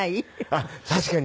あっ確かに。